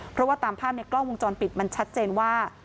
เพราะว่าตามภาพในกล้องวงจรปิดมันชัดเจนว่า